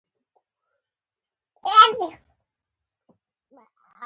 یو کوچنی لښکر د مشرتابه له لارې ښه کار کوي.